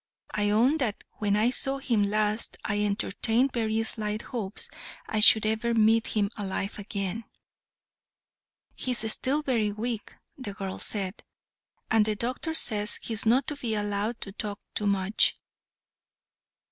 "I own that when I saw him last I entertained very slight hopes I should ever meet him alive again." "He is still very weak," the girl said, "and the doctor says he is not to be allowed to talk much."